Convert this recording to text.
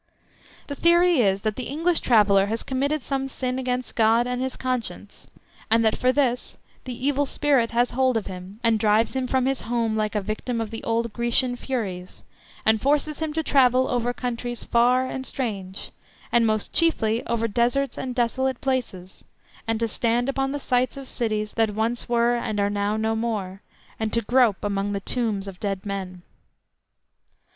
The theory is, that the English traveller has committed some sin against God and his conscience, and that for this the evil spirit has hold of him, and drives him from his home like a victim of the old Grecian furies, and forces him to travel over countries far and strange, and most chiefly over deserts and desolate places, and to stand upon the sites of cities that once were and are now no more, and to grope among the tombs of dead men.